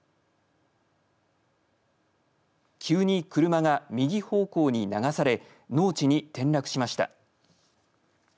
急に車が右方向に流され農地に転落しました。